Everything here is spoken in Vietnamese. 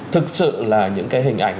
thực sự là những cái hình ảnh